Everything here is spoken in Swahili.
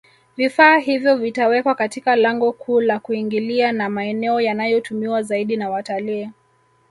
Vifaa hivyo vitawekwa Katika lango kuu la kuingilia na maeneo yanayotumiwa zaidi na watalii